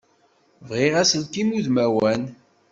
Bɣiɣ aselkim udmawan.